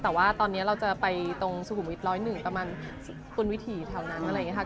แต่ว่าตอนนี้เราจะไปตรงสุขุมวิทย๑๐๑ประมาณบนวิถีแถวนั้นอะไรอย่างนี้ค่ะ